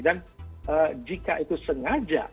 dan jika itu sengaja atau tidak